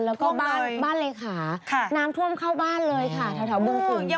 แล้วก็บ้านเหลขาน้ำท่วมเข้าบ้านเลยค่ะ